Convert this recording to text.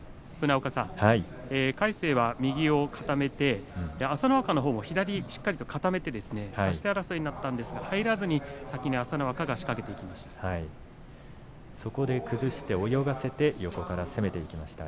魁聖は右を固めて朝乃若のほうも左をしっかりと固めて差し手争いになったんですが入らずに、先に、朝乃若が仕掛けていきました。